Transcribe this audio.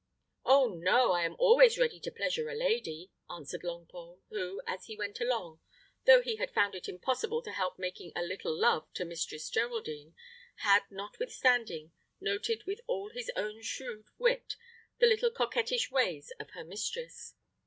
"Oh, no! I am always ready to pleasure a lady," answered Longpole; who, as he went along, though he had found it impossible to help making a little love to Mistress Geraldine, had, notwithstanding, noted with all his own shrewd wit the little coquettish ways of her mistress.